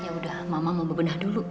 yaudah mama mau bebenah dulu